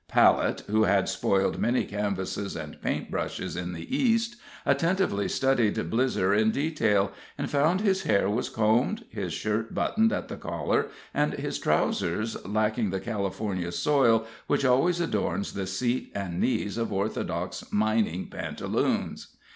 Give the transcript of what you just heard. Palette, who had spoiled many canvases and paintbrushes in the East, attentively studied Blizzer in detail, and found his hair was combed, his shirt buttoned at the collar, and his trowsers lacking the California soil which always adorns the seat and knees of orthodox mining pantaloons.